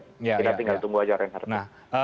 kita tinggal tunggu aja renk arta